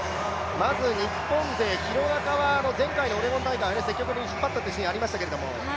まず日本勢、廣中は前回のオレゴン大会、積極的に引っ張ったシーンがありましたけども。